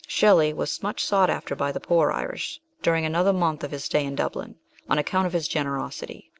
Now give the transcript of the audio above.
Shelley was much sought after by the poor Irish, during another month of his stay in Dublin, on account of his generosity.